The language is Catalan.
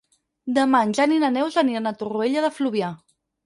Demà en Jan i na Neus aniran a Torroella de Fluvià.